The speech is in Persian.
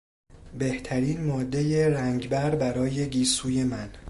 بهترین مادهی رنگبر برای گیسوی من